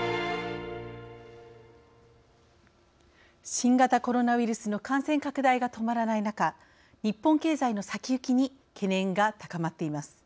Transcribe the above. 新型コロナウイルスの感染拡大が止まらない中日本経済の先行きに懸念が高まっています。